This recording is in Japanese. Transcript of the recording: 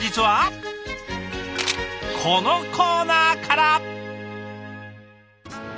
このコーナーから。